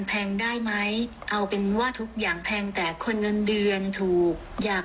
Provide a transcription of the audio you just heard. แพงได้ไหมเอาเป็นว่าทุกอย่างแพงแต่คนเงินเดือนถูกอยาก